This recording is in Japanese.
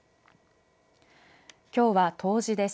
きょうは冬至です。